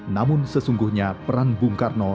namun sesungguhnya peran bung karno